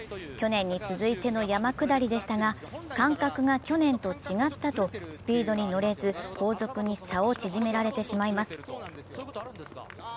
去年に続いての山下りでしたが感覚が去年と違ったとスピードに乗れず後続に差を縮められてしまいます。